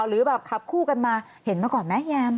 หรือแบบขับคู่กันมาเห็นมาก่อนไหมแยม